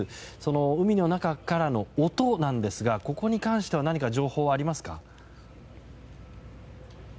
海の中からの音なんですがここに関しては何か情報はありますか。